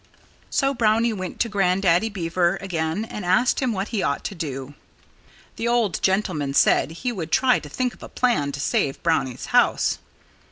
So Brownie went to Grandaddy Beaver again and asked him what he ought to do. The old gentleman said he would try to think of a plan to save Brownie's house.